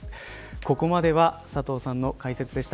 ここまでは佐藤さんの解説でした。